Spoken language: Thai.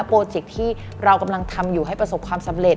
โปรเจคที่เรากำลังทำอยู่ให้ประสบความสำเร็จ